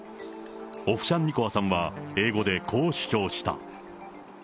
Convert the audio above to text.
オフシャンニコワさんは、英語でこう主張した。